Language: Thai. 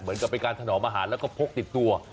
เหมือนกับเป็นการถนอมอาหารแล้วก็พกติดตัว